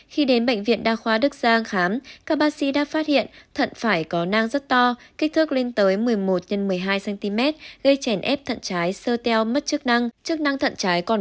khi đến bệnh viện đa khoa đức giang khám các bác sĩ đã phát hiện thận phải có nang rất to kích thước lên tới một mươi một x một mươi hai cm gây chèn ép thận trái sơ teo mất chức năng chức năng thận trái